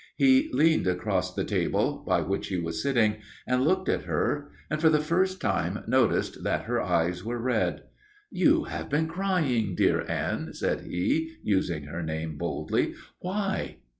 He leaned across the table by which he was sitting and looked at her and for the first time noticed that her eyes were red. "You have been crying, dear Anne," said he, using her name boldly. "Why?"